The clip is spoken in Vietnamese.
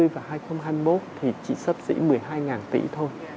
hai nghìn hai mươi và hai nghìn hai mươi một thì chỉ sắp dĩ một mươi hai ngàn tỷ thôi